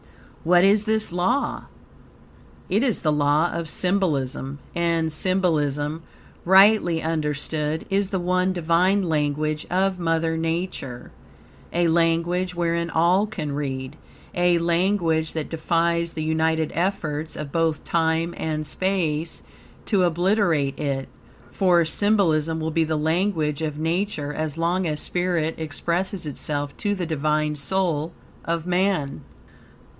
What is this law? It is the law of symbolism, and symbolism, rightly understood, is the one Divine language of Mother Nature, a language wherein all can read, a language that defies the united efforts of both time and space to obliterate it, for symbolism will be the language of Nature as long as spirit expresses itself to the Divine soul of man.